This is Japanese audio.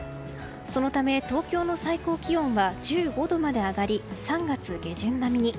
そのため、東京の最高気温は１５度まで上がり３月下旬並みに。